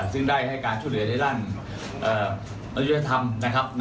ซึ่งได้ให้การช่วยเหลือในด้านริยธรรมนะครับ